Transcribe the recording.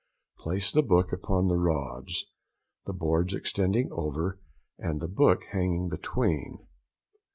Place the book upon the rods, the boards extending over and the book hanging between.